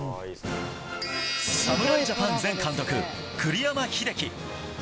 侍ジャパン前監督、栗山英樹。